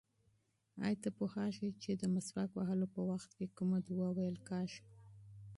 ایا ته پوهېږې چې د مسواک وهلو په وخت کې کومه دعا ویل کېږي؟